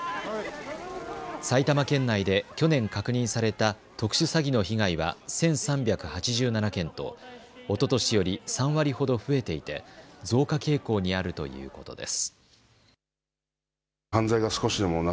埼玉県内で去年確認された特殊詐欺の被害は１３８７件とおととしより３割ほど増えていて増加傾向にあるということです。